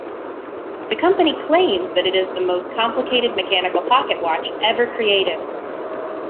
The company claims that it is the most complicated mechanical pocket watch ever created.